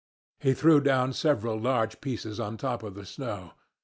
He threw down several large pieces on top of the snow.